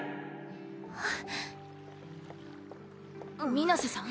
水瀬さん？